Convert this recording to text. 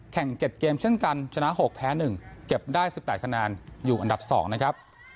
แข่งเจ็ดเกมเช่นกันชนะหกแพ้หนึ่งเก็บได้สิบแปดคะแนนอยู่อันดับสองนะครับ